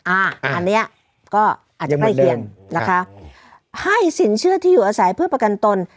อ่าอันเนี้ยก็ยังไม่เคียงนะคะให้สินเชื่อที่อยู่อาศัยเพื่อประกันตน